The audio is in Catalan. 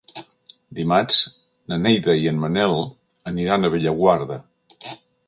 Dimarts na Neida i en Manel aniran a Bellaguarda.